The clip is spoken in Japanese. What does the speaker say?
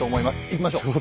いきましょう！